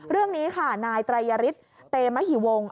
เรื่องนี้ค่ะนายไตรยฤทธิ์เตมหิวงศ